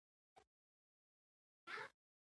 د راډیو اعلانونه کله کله خندونکي وي.